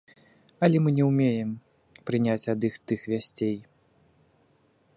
Але мы не ўмеем прыняць ад іх тых вясцей.